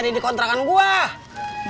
biar enggak enggak